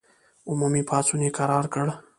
عمومي پاڅون یې کرار کړ.